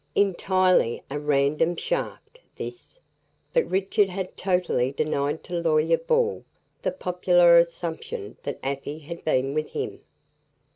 Entirely a random shaft, this. But Richard had totally denied to Lawyer Ball the popular assumption that Afy had been with him.